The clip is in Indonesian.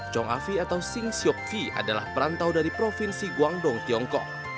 chong afi atau sing siok v adalah perantau dari provinsi guangdong tiongkok